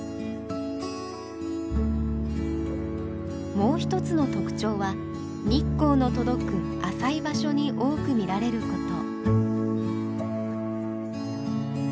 もう一つの特徴は日光の届く浅い場所に多く見られること。